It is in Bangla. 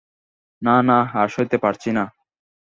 না, না, আর সইতে পারছি নে।